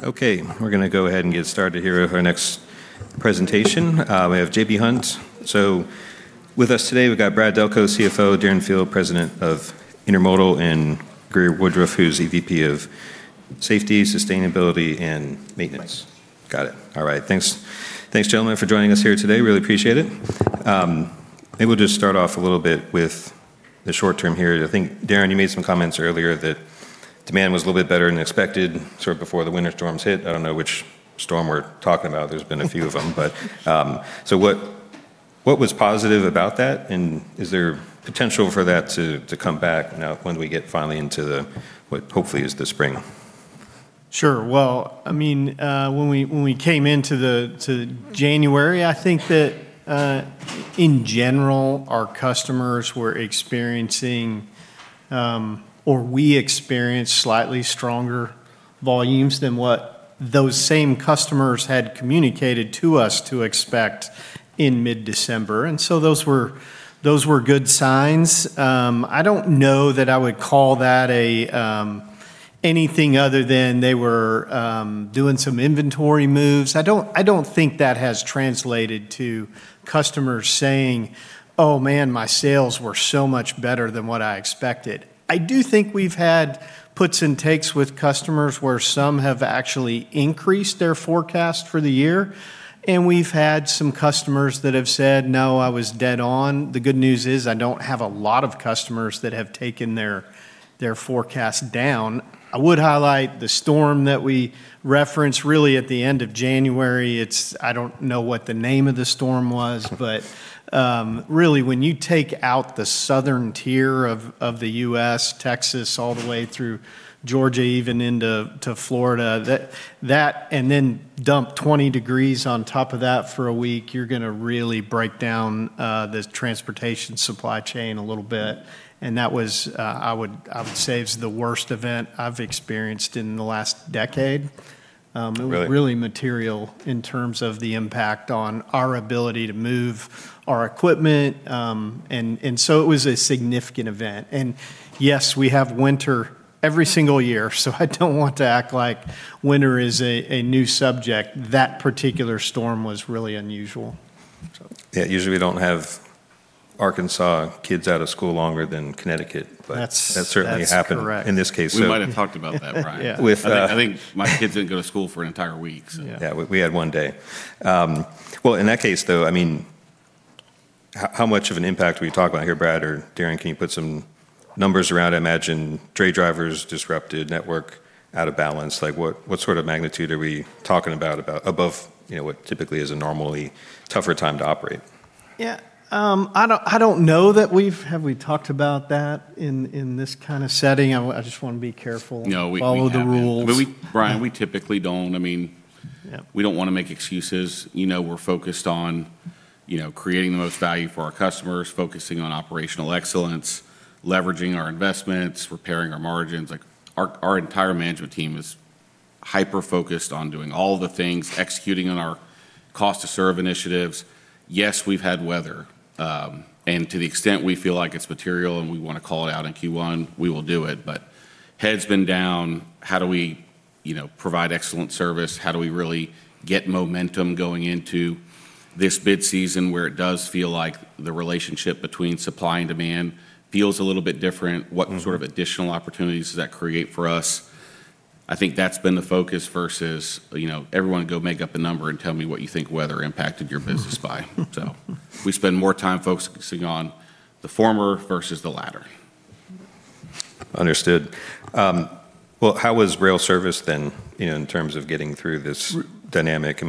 Okay, we're gonna go ahead and get started here with our next presentation. We have J.B. Hunt. With us today, we've got Brad Delco, CFO, Darren Field, President of Intermodal, and Greer Woodruff, who's EVP of Safety, Sustainability, and Maintenance. Got it. All right, thanks. Thanks, gentlemen, for joining us here today. Really appreciate it. Maybe we'll just start off a little bit with the short term here. I think, Darren, you made some comments earlier that demand was a little bit better than expected sort of before the winter storms hit. I don't know which storm we're talking about. There's been a few of them. What was positive about that, and is there potential for that to come back now when we get finally into what hopefully is the spring? Sure. Well, I mean, when we came into January, I think that in general, our customers were experiencing or we experienced slightly stronger volumes than what those same customers had communicated to us to expect in mid-December. Those were good signs. I don't know that I would call that anything other than they were doing some inventory moves. I don't think that has translated to customers saying, "Oh, man, my sales were so much better than what I expected." I do think we've had puts and takes with customers where some have actually increased their forecast for the year, and we've had some customers that have said, "No, I was dead on." The good news is I don't have a lot of customers that have taken their forecast down. I would highlight the storm that we referenced really at the end of January. It's I don't know what the name of the storm was, but really when you take out the southern tier of the U.S., Texas, all the way through Georgia, even into Florida, that and then drop 20 degrees on top of that for a week, you're gonna really break down the transportation supply chain a little bit. That was I would say it's the worst event I've experienced in the last decade. It was. Really? Really material in terms of the impact on our ability to move our equipment. So it was a significant event. Yes, we have winter every single year, so I don't want to act like winter is a new subject. That particular storm was really unusual. Yeah, usually we don't have Arkansas kids out of school longer than Connecticut. That's correct. That certainly happened in this case. We might have talked about that, Brian. With I think my kids didn't go to school for an entire week, so. Yeah, we had one day. Well, in that case though, I mean, how much of an impact are we talking about here, Brad or Darren? Can you put some numbers around? I imagine dray drivers disrupted, network out of balance. Like, what sort of magnitude are we talking about above, you know, what typically is a normally tougher time to operate? Yeah. Have we talked about that in this kinda setting? I just wanna be careful. No, we haven't. Follow the rules. Brian, we typically don't. I mean. Yeah We don't wanna make excuses. You know, we're focused on, you know, creating the most value for our customers, focusing on operational excellence, leveraging our investments, repairing our margins. Like, our entire management team is hyper-focused on doing all the things, executing on our cost to serve initiatives. Yes, we've had weather, and to the extent we feel like it's material and we wanna call it out in Q1, we will do it. But head's been down. How do we, you know, provide excellent service? How do we really get momentum going into this bid season where it does feel like the relationship between supply and demand feels a little bit different? Mm-hmm. What sort of additional opportunities does that create for us? I think that's been the focus versus, you know, everyone go make up a number and tell me what you think weather impacted your business by. We spend more time focusing on the former versus the latter. Understood. Well, how was rail service then in terms of getting through this dynamic?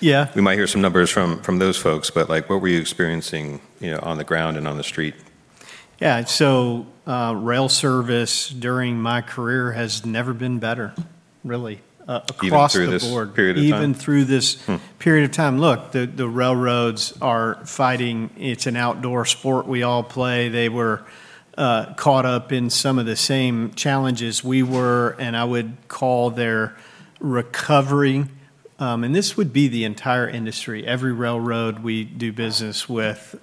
Yeah We might hear some numbers from those folks, but, like, what were you experiencing, you know, on the ground and on the street? Yeah. Rail service during my career has never been better really, across the board. Even through this period of time? Even through this- Hmm period of time. Look, the railroads are fighting. It's an outdoor sport we all play. They were caught up in some of the same challenges we were, and I would call their recovery, and this would be the entire industry, every railroad we do business with,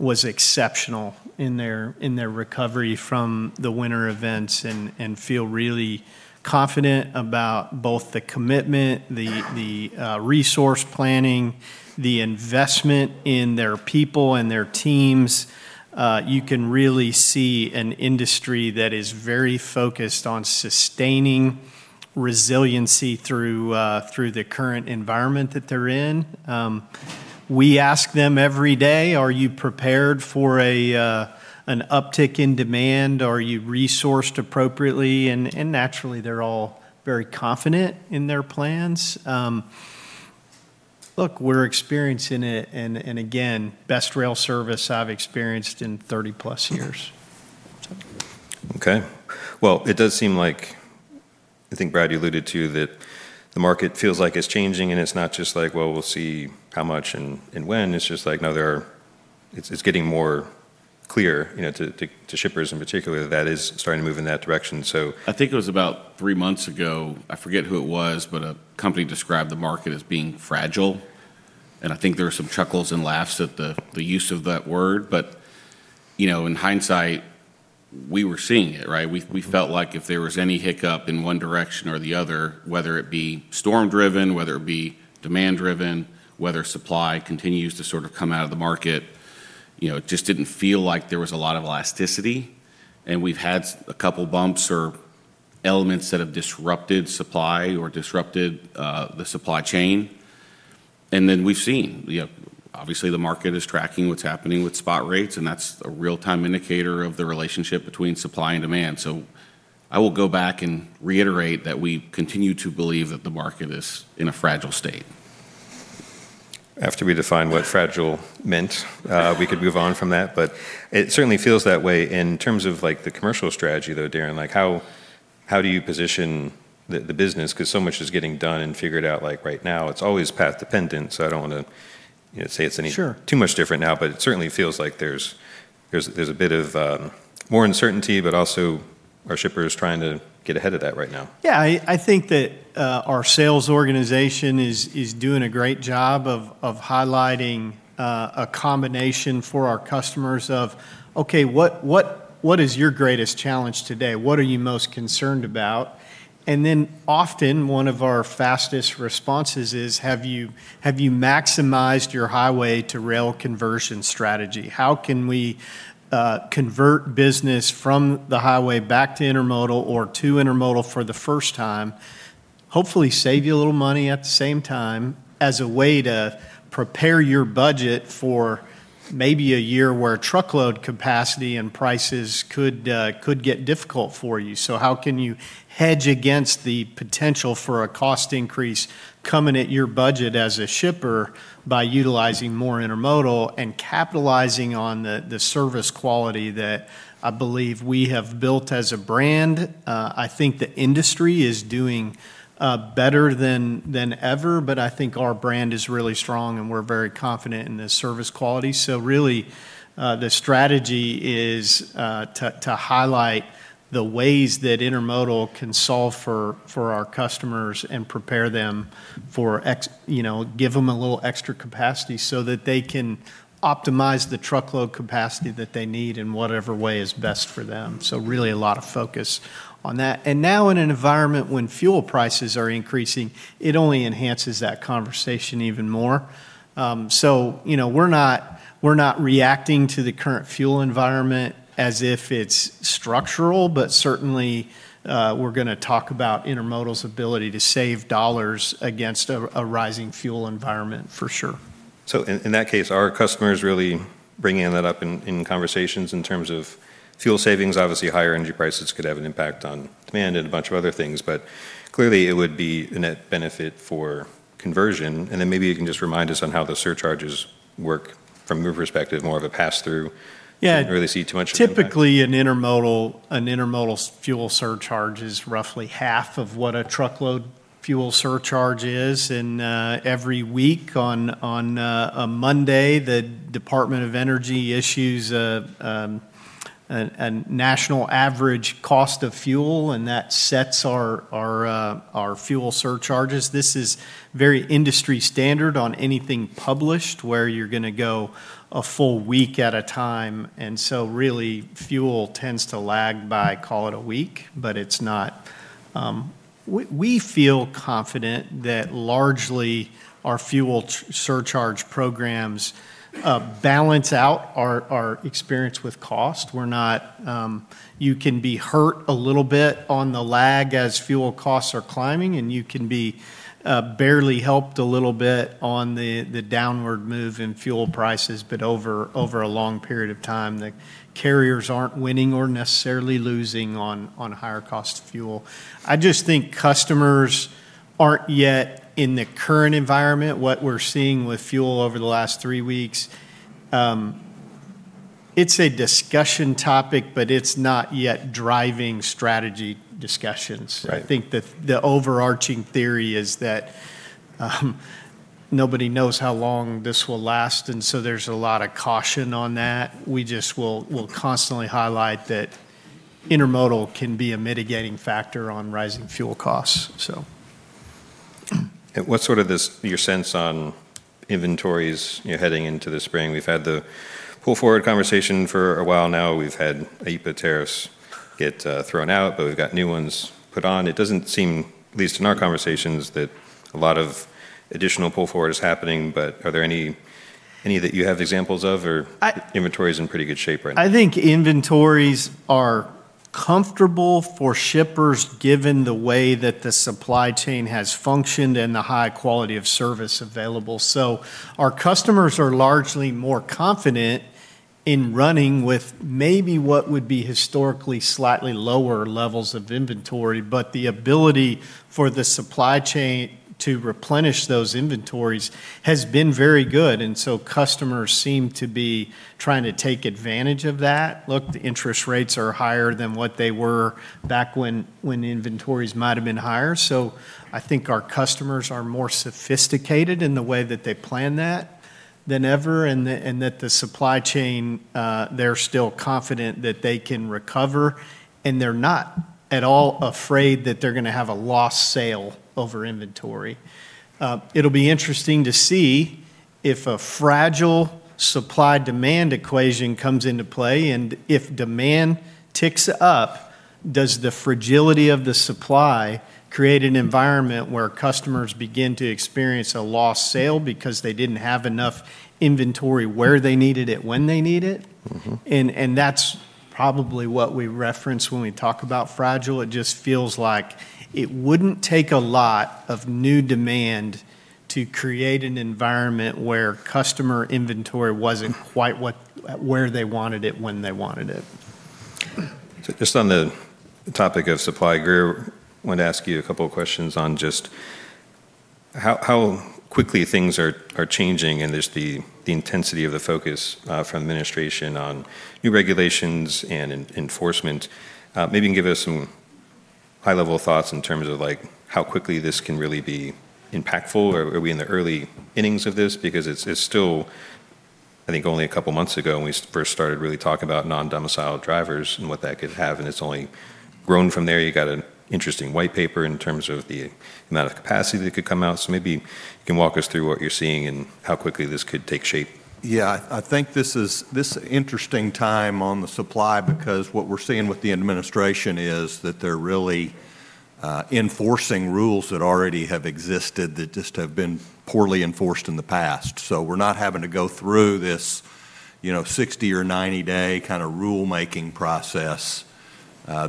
was exceptional in their recovery from the winter events and feel really confident about both the commitment, the resource planning, the investment in their people and their teams. You can really see an industry that is very focused on sustaining resiliency through the current environment that they're in. We ask them every day, "Are you prepared for an uptick in demand? Are you resourced appropriately?" Naturally, they're all very confident in their plans. Look, we're experiencing, and again, best rail service I've experienced in 30-plus years, so. Okay. Well, it does seem like, I think, Brad, you alluded to that the market feels like it's changing, and it's not just like, well, we'll see how much and when. It's just like, no, it's getting more clear, you know, to shippers in particular that is starting to move in that direction. I think it was about three months ago. I forget who it was, but a company described the market as being fragile, and I think there were some chuckles and laughs at the use of that word. You know, in hindsight. We were seeing it, right? We felt like if there was any hiccup in one direction or the other, whether it be storm-driven, whether it be demand-driven, whether supply continues to sort of come out of the market, you know, it just didn't feel like there was a lot of elasticity. We've had a couple bumps or elements that have disrupted supply or the supply chain. We've seen, you know, obviously the market is tracking what's happening with spot rates, and that's a real-time indicator of the relationship between supply and demand. I will go back and reiterate that we continue to believe that the market is in a fragile state. After we define what fragile meant, we could move on from that. It certainly feels that way. In terms of the commercial strategy though, Darren, how do you position the business? 'Cause so much is getting done and figured out right now. It's always path dependent, so I don't wanna say it's any- Sure... too much different now. It certainly feels like there's a bit of more uncertainty, but also our shippers trying to get ahead of that right now. Yeah, I think that our sales organization is doing a great job of highlighting a combination for our customers of, okay, what is your greatest challenge today? What are you most concerned about? Then often one of our fastest responses is, "Have you maximized your highway to rail conversion strategy? How can we convert business from the highway back to intermodal or to intermodal for the first time, hopefully save you a little money at the same time as a way to prepare your budget for maybe a year where truckload capacity and prices could get difficult for you? How can you hedge against the potential for a cost increase coming at your budget as a shipper by utilizing more intermodal and capitalizing on the service quality that I believe we have built as a brand. I think the industry is doing better than ever, but I think our brand is really strong, and we're very confident in the service quality. Really, the strategy is to highlight the ways that intermodal can solve for our customers and prepare them for, you know, give them a little extra capacity so that they can optimize the truckload capacity that they need in whatever way is best for them. Really a lot of focus on that. Now in an environment when fuel prices are increasing, it only enhances that conversation even more. You know, we're not reacting to the current fuel environment as if it's structural, but certainly, we're gonna talk about Intermodal's ability to save dollars against a rising fuel environment for sure. In that case, are customers really bringing that up in conversations in terms of fuel savings? Obviously, higher energy prices could have an impact on demand and a bunch of other things, but clearly it would be a net benefit for conversion. Then maybe you can just remind us on how the surcharges work from your perspective, more of a pass-through. Yeah. Didn't really see too much of an impact. Typically an intermodal fuel surcharge is roughly half of what a truckload fuel surcharge is. Every week on a Monday, the Department of Energy issues a national average cost of fuel, and that sets our fuel surcharges. This is very industry standard on anything published where you're gonna go a full week at a time. Really fuel tends to lag by, call it a week, but it's not. We feel confident that largely our fuel surcharge programs balance out our experience with cost. We're not. You can be hurt a little bit on the lag as fuel costs are climbing, and you can be barely helped a little bit on the downward move in fuel prices. Over a long period of time, the carriers aren't winning or necessarily losing on higher cost of fuel. I just think customers aren't yet in the current environment. What we're seeing with fuel over the last three weeks, it's a discussion topic, but it's not yet driving strategy discussions. Right. I think the overarching theory is that, nobody knows how long this will last, and so there's a lot of caution on that. We just will constantly highlight that intermodal can be a mitigating factor on rising fuel costs, so. What's sort of this, your sense on inventories, you know, heading into the spring? We've had the pull forward conversation for a while now. We've had a heap of tariffs got thrown out, but we've got new ones put on. It doesn't seem, at least in our conversations, that a lot of additional pull forward is happening. Are there any that you have examples of, or? I- Inventory's in pretty good shape right now? I think inventories are comfortable for shippers given the way that the supply chain has functioned and the high quality of service available. Our customers are largely more confident in running with maybe what would be historically slightly lower levels of inventory, but the ability for the supply chain to replenish those inventories has been very good. Customers seem to be trying to take advantage of that. Look, the interest rates are higher than what they were back when inventories might've been higher. I think our customers are more sophisticated in the way that they plan that than ever, and that the supply chain, they're still confident that they can recover. They're not at all afraid that they're gonna have a lost sale over inventory. It'll be interesting to see if a fragile supply-demand equation comes into play, and if demand ticks up, does the fragility of the supply create an environment where customers begin to experience a lost sale because they didn't have enough inventory where they needed it, when they need it? Mm-hmm. That's probably what we reference when we talk about fragile. It just feels like it wouldn't take a lot of new demand to create an environment where customer inventory wasn't quite where they wanted it, when they wanted it. Just on the topic of supply, Greer, wanted to ask you a couple of questions on just how quickly things are changing, and there's the intensity of the focus from the administration on new regulations and enforcement. Maybe you can give us some high-level thoughts in terms of, like, how quickly this can really be impactful. Are we in the early innings of this? Because it's still, I think only a couple months ago when we first started really talking about non-domiciled drivers and what that could have, and it's only grown from there. You got an interesting white paper in terms of the amount of capacity that could come out. Maybe you can walk us through what you're seeing and how quickly this could take shape. Yeah. I think this is this interesting time on the supply because what we're seeing with the administration is that they're really enforcing rules that already have existed that just have been poorly enforced in the past. We're not having to go through this, you know, 60 or 90 day kinda rule making process.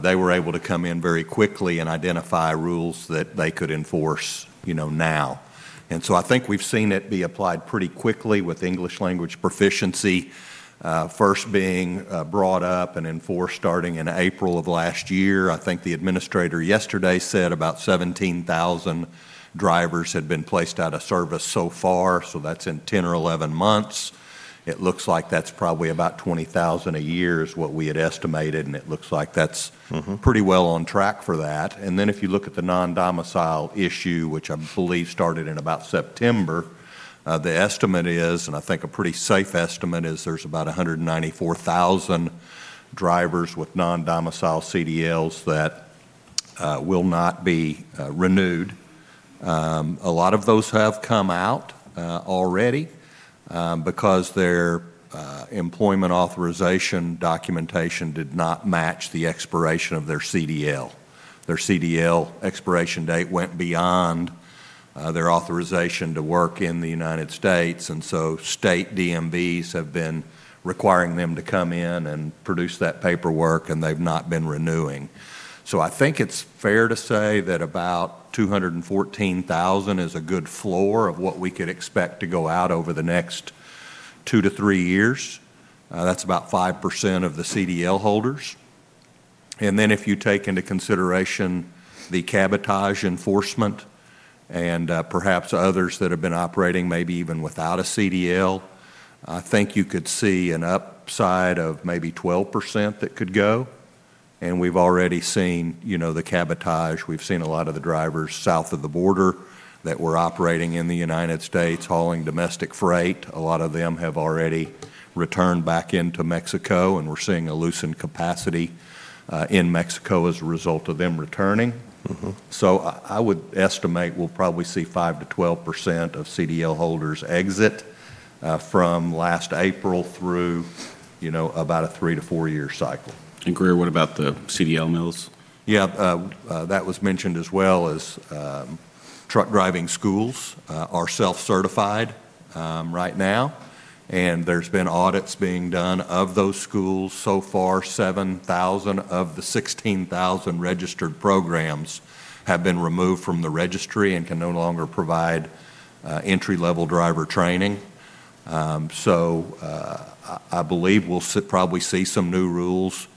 They were able to come in very quickly and identify rules that they could enforce, you know, now. I think we've seen it be applied pretty quickly with English language proficiency first being brought up and enforced starting in April of last year. I think the administrator yesterday said about 17,000 drivers had been placed out of service so far, so that's in 10 or 11 months. It looks like that's probably about 20,000 a year is what we had estimated, and it looks like that's Mm-hmm Pretty well on track for that. Then if you look at the non-domiciled issue, which I believe started in about September, the estimate is, and I think a pretty safe estimate, is there's about 194,000 drivers with non-domiciled CDLs that will not be renewed. A lot of those have come out already, because their employment authorization documentation did not match the expiration of their CDL. Their CDL expiration date went beyond their authorization to work in the United States, and state DMVs have been requiring them to come in and produce that paperwork, and they've not been renewing. I think it's fair to say that about 214,000 is a good floor of what we could expect to go out over the next 2 to 3 years. That's about 5% of the CDL holders. Then if you take into consideration the cabotage enforcement and, perhaps others that have been operating maybe even without a CDL, I think you could see an upside of maybe 12% that could go. We've already seen, you know, the cabotage. We've seen a lot of the drivers south of the border that were operating in the United States hauling domestic freight. A lot of them have already returned back into Mexico, and we're seeing a loosened capacity in Mexico as a result of them returning. Mm-hmm. I would estimate we'll probably see 5%-12% of CDL holders exit from last April through, you know, about a 3-4 year cycle. Greer, what about the CDL mills? Yeah. That was mentioned as well as truck driving schools are self-certified right now, and there's been audits being done of those schools. So far, 7,000 of the 16,000 registered programs have been removed from the registry and can no longer provide entry-level driver training. I believe we'll probably see some new rules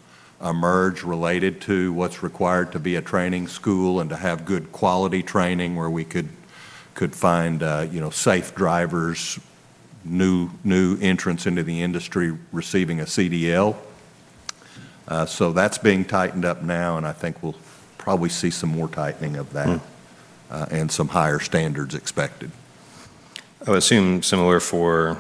emerge related to what's required to be a training school and to have good quality training where we could find you know safe drivers, new entrants into the industry receiving a CDL. That's being tightened up now, and I think we'll probably see some more tightening of that. Hmm some higher standards expected. I would assume similar for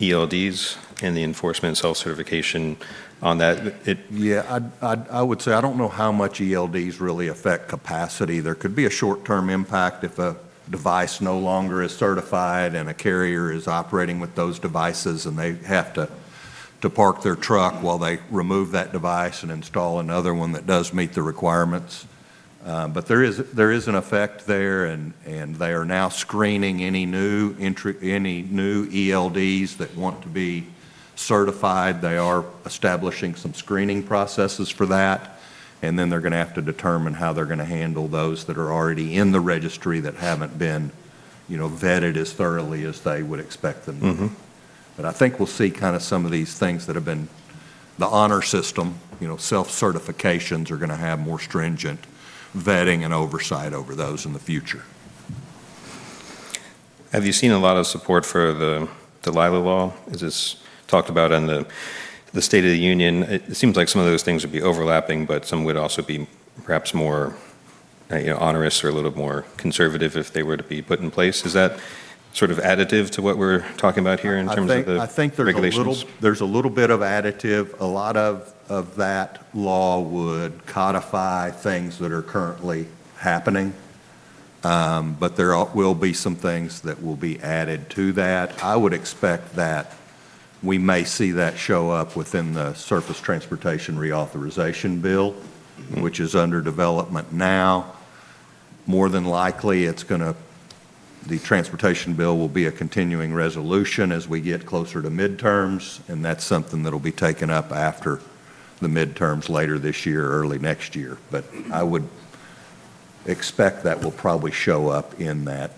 ELDs and the enforcement self-certification on that. Yeah. I would say I don't know how much ELDs really affect capacity. There could be a short-term impact if a device no longer is certified and a carrier is operating with those devices, and they have to park their truck while they remove that device and install another one that does meet the requirements. There is an effect there, and they are now screening any new ELDs that want to be certified. They are establishing some screening processes for that, and then they're gonna have to determine how they're gonna handle those that are already in the registry that haven't been, you know, vetted as thoroughly as they would expect them to. Mm-hmm. I think we'll see kinda some of these things that have been the honor system, you know, self-certifications are gonna have more stringent vetting and oversight over those in the future. Have you seen a lot of support for the DRIVE-Safe Act? Is this talked about in the State of the Union? It seems like some of those things would be overlapping, but some would also be perhaps more. You know, onerous or a little more conservative if they were to be put in place. Is that sort of additive to what we're talking about here in terms of the regulations? I think there's a little bit of additive. A lot of that law would codify things that are currently happening. But there will be some things that will be added to that. I would expect that we may see that show up within the Surface Transportation Reauthorization Act. Mm-hmm which is under development now. More than likely, the transportation bill will be a continuing resolution as we get closer to midterms, and that's something that'll be taken up after the midterms later this year or early next year. I would expect that will probably show up in that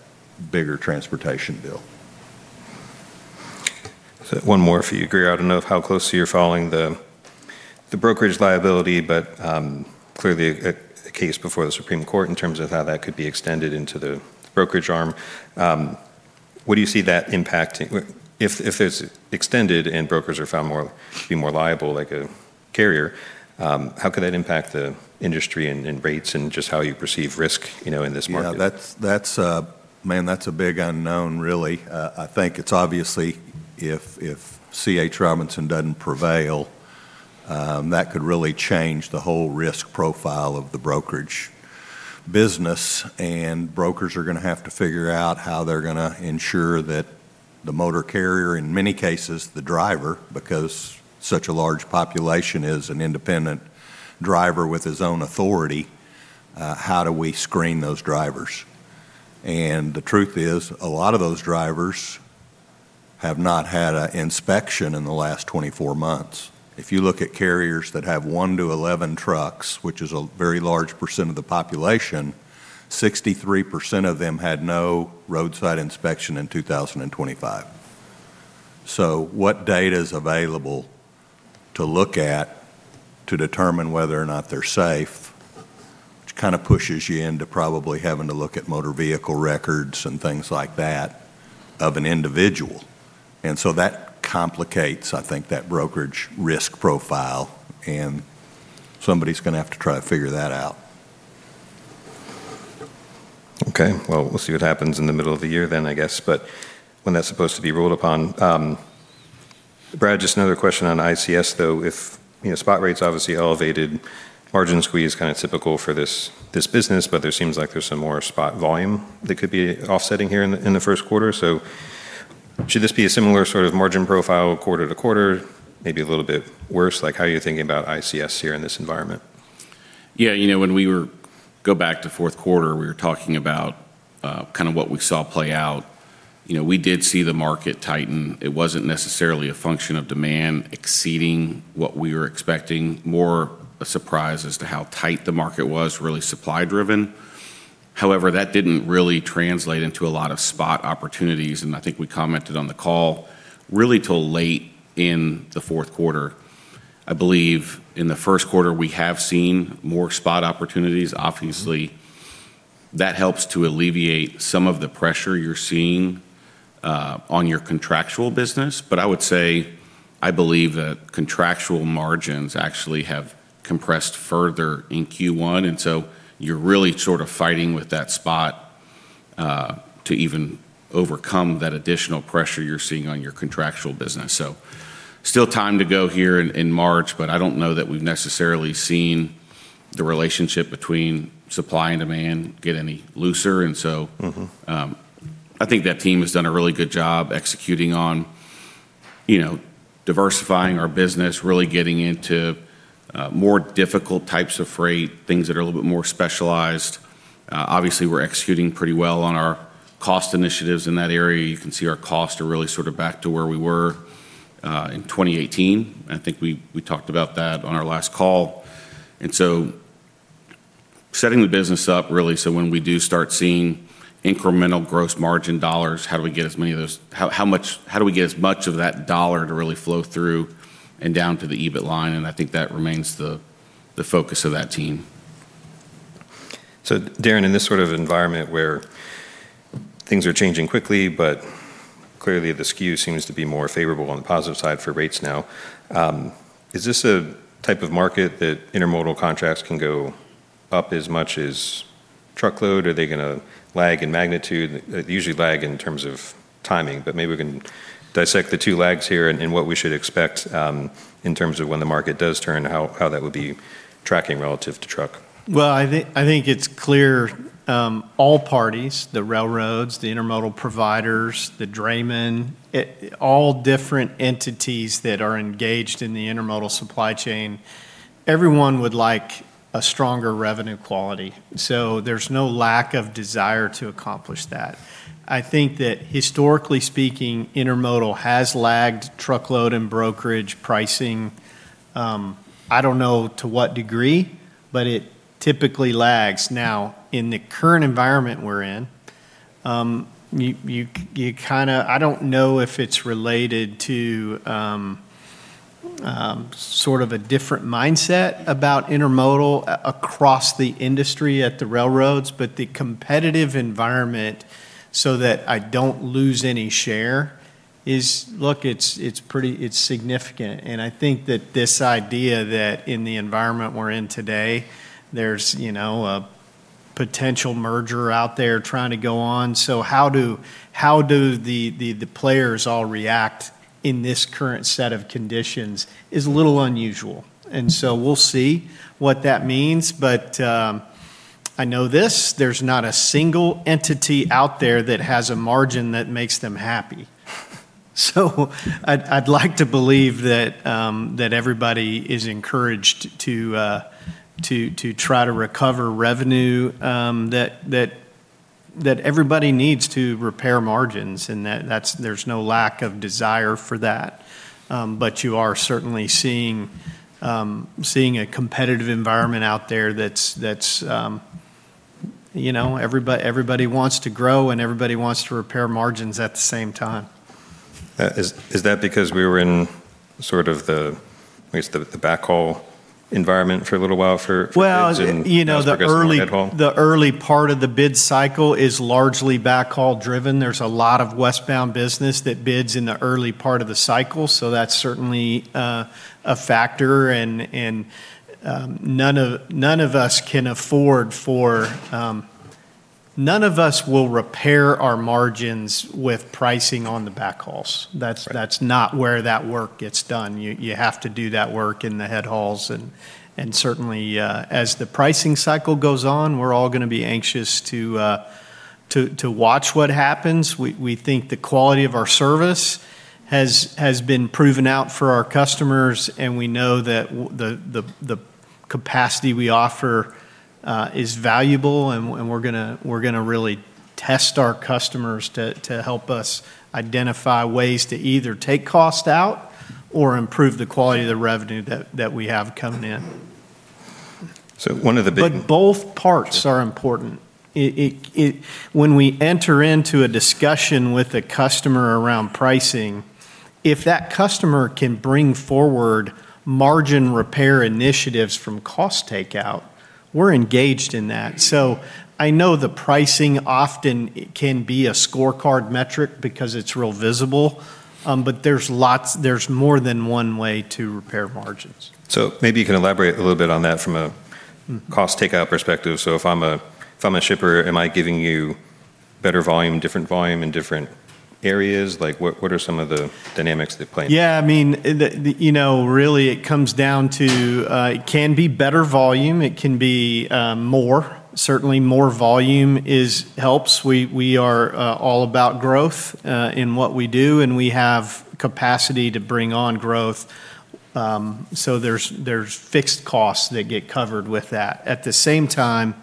bigger transportation bill. One more for you, Greer. I don't know how closely you're following the brokerage liability, but clearly a case before the Supreme Court in terms of how that could be extended into the brokerage arm. What do you see that impacting? If it's extended and brokers are found to be more liable like a carrier, how could that impact the industry and rates and just how you perceive risk, you know, in this market? Yeah, that's man, that's a big unknown really. I think it's obviously if C.H. Robinson doesn't prevail, that could really change the whole risk profile of the brokerage business. Brokers are gonna have to figure out how they're gonna ensure that the motor carrier, in many cases the driver, because such a large population is an independent driver with his own authority, how do we screen those drivers? The truth is, a lot of those drivers have not had an inspection in the last 24 months. If you look at carriers that have one to 11 trucks, which is a very large percent of the population, 63% of them had no roadside inspection in 2025. What data's available to look at to determine whether or not they're safe, which kinda pushes you into probably having to look at motor vehicle records and things like that of an individual. That complicates, I think, that brokerage risk profile, and somebody's gonna have to try to figure that out. Okay. Well, we'll see what happens in the middle of the year then, I guess. When that's supposed to be ruled upon. Brad, just another question on ICS, though. If, you know, spot rate's obviously elevated, margin squeeze kinda typical for this business, but there seems like there's some more spot volume that could be offsetting here in the first quarter. Should this be a similar sort of margin profile quarter to quarter? Maybe a little bit worse? Like, how are you thinking about ICS here in this environment? Yeah, you know, go back to fourth quarter, we were talking about kinda what we saw play out. You know, we did see the market tighten. It wasn't necessarily a function of demand exceeding what we were expecting. More a surprise as to how tight the market was, really supply-driven. However, that didn't really translate into a lot of spot opportunities, and I think we commented on the call, really till late in the fourth quarter. I believe in the first quarter we have seen more spot opportunities. Obviously, that helps to alleviate some of the pressure you're seeing on your contractual business. I would say I believe that contractual margins actually have compressed further in Q1, and so you're really sort of fighting with that spot to even overcome that additional pressure you're seeing on your contractual business. Still time to go here in March, but I don't know that we've necessarily seen the relationship between supply and demand get any looser, and so- Mm-hmm I think that team has done a really good job executing on, you know, diversifying our business, really getting into more difficult types of freight, things that are a little bit more specialized. Obviously, we're executing pretty well on our cost initiatives in that area. You can see our costs are really sort of back to where we were in 2018. I think we talked about that on our last call. Setting the business up, really, so when we do start seeing incremental gross margin dollars, how do we get as many of those. How much, how do we get as much of that dollar to really flow through and down to the EBIT line. I think that remains the focus of that team. Darren, in this sort of environment where things are changing quickly, but clearly the skew seems to be more favorable on the positive side for rates now, is this a type of market that intermodal contracts can go up as much as truckload? Are they gonna lag in magnitude? They usually lag in terms of timing, but maybe we can dissect the two lags here and what we should expect, in terms of when the market does turn, how that would be tracking relative to truck. Well, I think it's clear, all parties, the railroads, the intermodal providers, the draymen, all different entities that are engaged in the intermodal supply chain, everyone would like a stronger revenue quality. There's no lack of desire to accomplish that. I think that historically speaking, intermodal has lagged truckload and brokerage pricing. I don't know to what degree, but it typically lags. Now, in the current environment we're in, you kinda I don't know if it's related to sort of a different mindset about intermodal across the industry at the railroads, but the competitive environment so that I don't lose any share. It's look, it's pretty significant, and I think that this idea that in the environment we're in today, there's you know, a potential merger out there trying to go on. How do the players all react in this current set of conditions is a little unusual. We'll see what that means. I know this, there's not a single entity out there that has a margin that makes them happy. I'd like to believe that everybody is encouraged to try to recover revenue, that everybody needs to repair margins, and that there's no lack of desire for that. You are certainly seeing a competitive environment out there that's you know, everybody wants to grow, and everybody wants to repair margins at the same time. Is that because we were in sort of the, I guess, the backhaul environment for a little while for bids? Well- Now it's focused on head haul? You know, the early part of the bid cycle is largely backhaul driven. There's a lot of westbound business that bids in the early part of the cycle, so that's certainly a factor. None of us will repair our margins with pricing on the backhauls. Right. That's not where that work gets done. You have to do that work in the head hauls. Certainly, as the pricing cycle goes on, we're all gonna be anxious to watch what happens. We think the quality of our service has been proven out for our customers, and we know that the capacity we offer is valuable, and we're gonna really test our customers to help us identify ways to either take cost out or improve the quality of the revenue that we have coming in. One of the big Both parts are important. It when we enter into a discussion with a customer around pricing, if that customer can bring forward margin repair initiatives from cost takeout, we're engaged in that. I know the pricing often can be a scorecard metric because it's real visible, but there's lots, more than one way to repair margins. Maybe you can elaborate a little bit on that from a- Mm cost takeout perspective. If I'm a shipper, am I giving you better volume, different volume in different areas? Like, what are some of the dynamics at play? Yeah, I mean, you know, really it comes down to it can be better volume. It can be more. Certainly more volume helps. We are all about growth in what we do, and we have capacity to bring on growth. There's fixed costs that get covered with that. At the same time,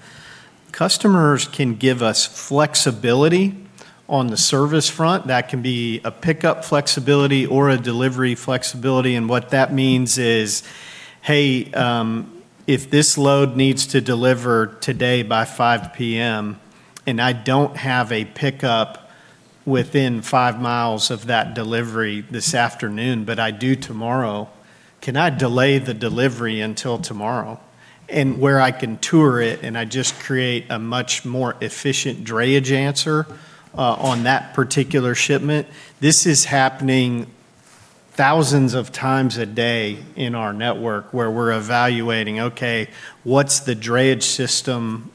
customers can give us flexibility on the service front. That can be a pickup flexibility or a delivery flexibility, and what that means is, "Hey, if this load needs to deliver today by 5 P.M., and I don't have a pickup within five miles of that delivery this afternoon, but I do tomorrow, can I delay the delivery until tomorrow?" Where I can tour it, and I just create a much more efficient drayage answer on that particular shipment. This is happening thousands of times a day in our network, where we're evaluating, okay, what's the drayage system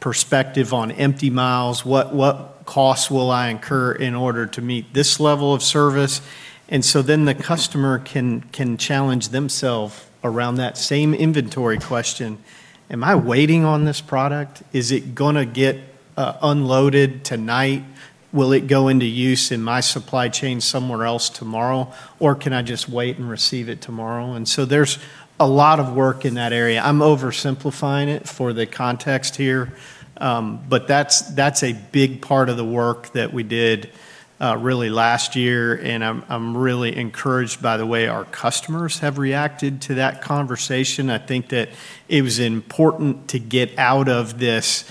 perspective on empty miles? What costs will I incur in order to meet this level of service? The customer can challenge themself around that same inventory question. Am I waiting on this product? Is it gonna get unloaded tonight? Will it go into use in my supply chain somewhere else tomorrow? Or can I just wait and receive it tomorrow? There's a lot of work in that area. I'm oversimplifying it for the context here. But that's a big part of the work that we did really last year, and I'm really encouraged by the way our customers have reacted to that conversation. I think that it was important to get out of this,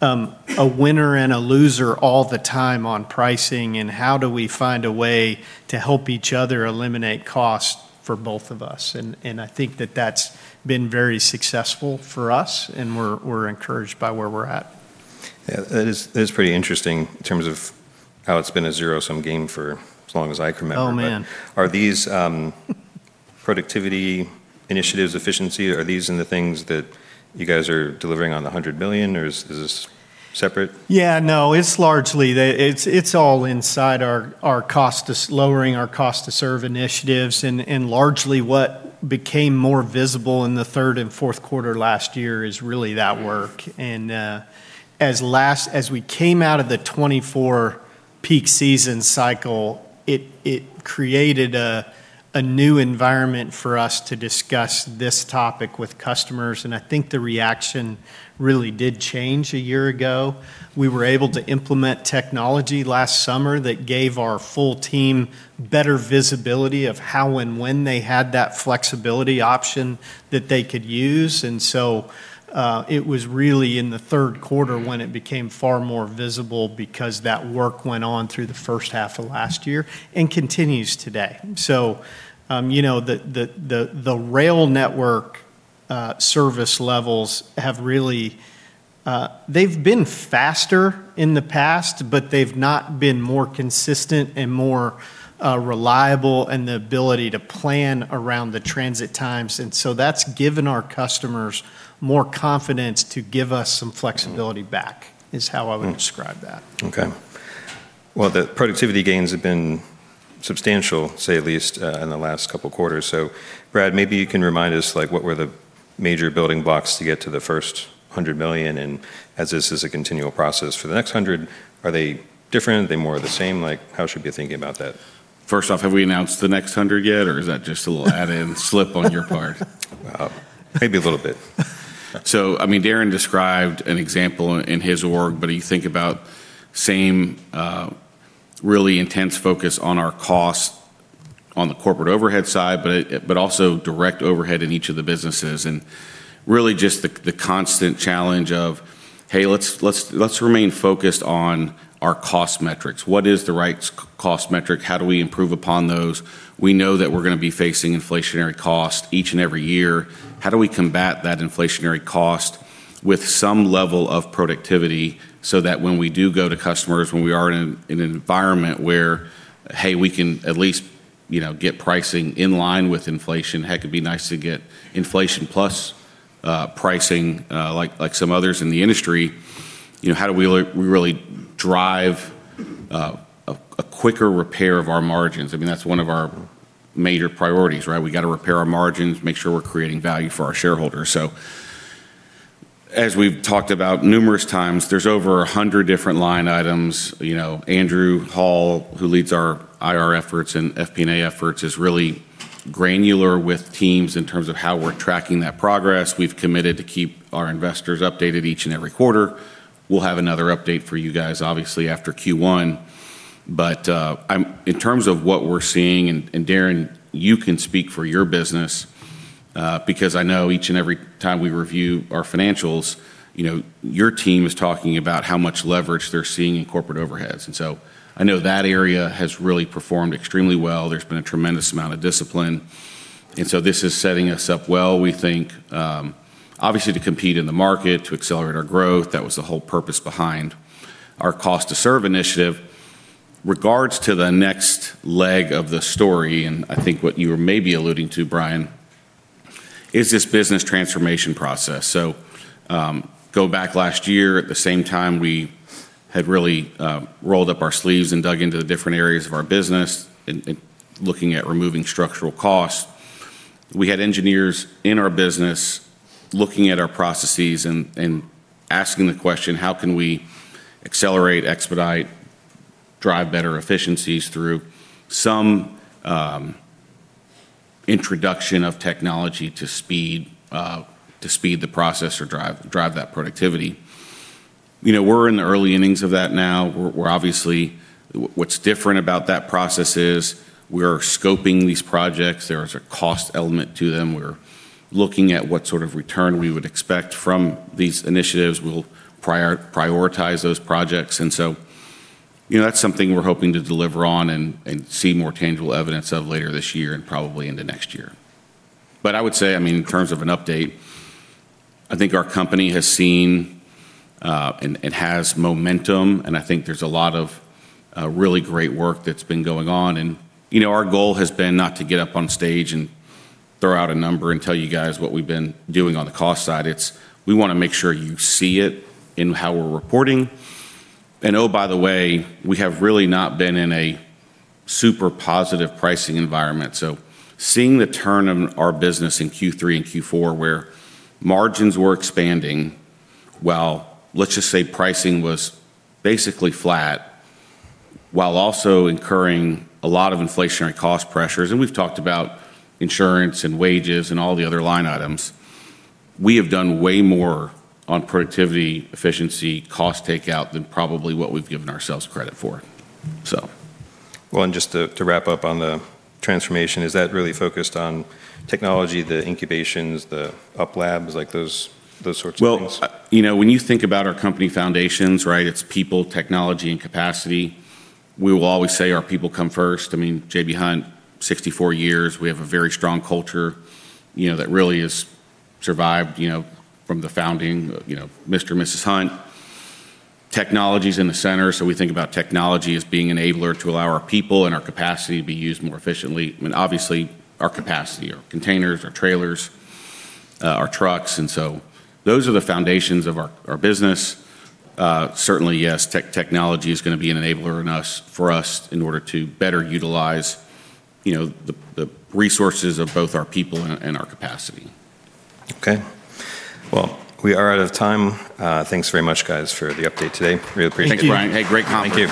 a winner and a loser all the time on pricing, and how do we find a way to help each other eliminate cost for both of us? I think that that's been very successful for us, and we're encouraged by where we're at. Yeah, that is pretty interesting in terms of how it's been a zero-sum game for as long as I can remember. Oh, man. Are these productivity initiatives, efficiency, in the things that you guys are delivering on the $100 million, or is this separate? Yeah, no, it's all inside our lowering our cost to serve initiatives. Largely what became more visible in the third and fourth quarter last year is really that work. As we came out of the 2024 peak season cycle, it created a new environment for us to discuss this topic with customers, and I think the reaction really did change a year ago. We were able to implement technology last summer that gave our full team better visibility of how and when they had that flexibility option that they could use. It was really in the third quarter when it became far more visible because that work went on through the first half of last year and continues today. You know, the rail network service levels have really been faster in the past, but they've not been more consistent and more reliable in the ability to plan around the transit times. That's given our customers more confidence to give us some flexibility back. Mm Is how I would describe that. Okay. Well, the productivity gains have been substantial, say, at least, in the last couple quarters. Brad, maybe you can remind us, like, what were the major building blocks to get to the first $100 million? As this is a continual process, for the next $100 million, are they different? Are they more of the same? Like, how should we be thinking about that? First off, have we announced the next 100 yet? Or is that just a little add-in slip on your part? Well, maybe a little bit. I mean, Daryn described an example in his org, but you think about the same really intense focus on our costs on the corporate overhead side, but also direct overhead in each of the businesses, and really just the constant challenge of, "Hey, let's remain focused on our cost metrics. What is the right cost metric? How do we improve upon those? We know that we're gonna be facing inflationary costs each and every year. How do we combat that inflationary cost with some level of productivity so that when we do go to customers, when we are in an environment where, hey, we can at least, you know, get pricing in line with inflation, heck, it'd be nice to get inflation plus pricing, like some others in the industry, you know, how do we really drive a quicker repair of our margins?" I mean, that's one of our major priorities, right? We gotta repair our margins, make sure we're creating value for our shareholders. As we've talked about numerous times, there's over 100 different line items. You know, Andrew Hall, who leads our IR efforts and FP&A efforts, is really granular with teams in terms of how we're tracking that progress. We've committed to keep our investors updated each and every quarter. We'll have another update for you guys obviously after Q1. In terms of what we're seeing, and Darren, you can speak for your business, because I know each and every time we review our financials, you know, your team is talking about how much leverage they're seeing in corporate overheads. I know that area has really performed extremely well. There's been a tremendous amount of discipline, and so this is setting us up well, we think, obviously to compete in the market, to accelerate our growth. That was the whole purpose behind our cost to serve initiative. Regarding the next leg of the story, and I think what you were maybe alluding to, Brian, is this business transformation process. Go back last year at the same time, we had really rolled up our sleeves and dug into the different areas of our business in looking at removing structural costs. We had engineers in our business looking at our processes and asking the question: How can we accelerate, expedite, drive better efficiencies through some introduction of technology to speed the process or drive that productivity? You know, we're in the early innings of that now. What's different about that process is we are scoping these projects. There is a cost element to them. We're looking at what sort of return we would expect from these initiatives. We'll prioritize those projects. You know, that's something we're hoping to deliver on and see more tangible evidence of later this year and probably into next year. I would say, I mean, in terms of an update, I think our company has seen and has momentum, and I think there's a lot of really great work that's been going on. You know, our goal has been not to get up on stage and throw out a number and tell you guys what we've been doing on the cost side. It's we wanna make sure you see it in how we're reporting. Oh, by the way, we have really not been in a super positive pricing environment. Seeing the turn in our business in Q3 and Q4, where margins were expanding while, let's just say, pricing was basically flat, while also incurring a lot of inflationary cost pressures, and we've talked about insurance and wages and all the other line items, we have done way more on productivity, efficiency, cost takeout than probably what we've given ourselves credit for, so. Well, just to wrap up on the transformation, is that really focused on technology, the incubations, the up labs, like those sorts of things? Well, you know, when you think about our company foundations, right? It's people, technology, and capacity. We will always say our people come first. I mean, J.B. Hunt, 64 years, we have a very strong culture, you know, that really has survived, you know, from the founding of, you know, Mr. and Mrs. Hunt. Technology's in the center, so we think about technology as being enabler to allow our people and our capacity to be used more efficiently, and obviously, our capacity, our containers, our trailers, our trucks. Those are the foundations of our business. Certainly, yes, technology is gonna be an enabler in us, for us in order to better utilize, you know, the resources of both our people and our capacity. Okay. Well, we are out of time. Thanks very much, guys, for the update today. Really appreciate it. Thank you, Brian. Hey, great conference.